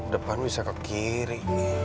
depan bisa ke kiri